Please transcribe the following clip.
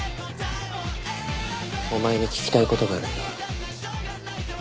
お前に聞きたいことがあるんだ。